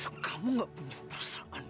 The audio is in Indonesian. kamu gak punya perasaan